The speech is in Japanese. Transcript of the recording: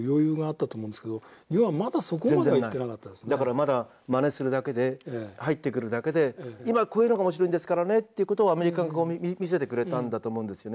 まだまねするだけで入ってくるだけで「今こういうのが面白いんですからね」という事をアメリカが見せてくれたんだと思うんですよね。